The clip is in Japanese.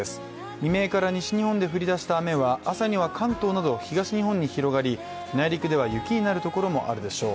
未明から西日本で降りだした雨は朝には関東など東日本に広がり、内陸では雪になるところがあるでしょう。